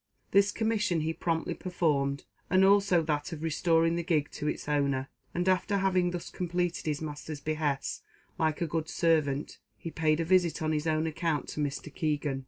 This commission he promptly performed, and also that of restoring the gig to its owner; and after having thus completed his master's behests like a good servant, he paid a visit on his own account to Mr. Keegan.